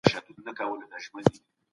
بېـګاه و څو نجونو زمزمه كي دا ويـله